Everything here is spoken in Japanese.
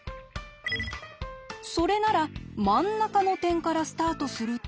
それなら真ん中の点からスタートすると。